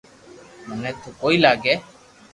مني تو ڪوئي لاگي